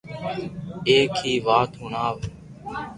ايڪ ھي وات ھڻاو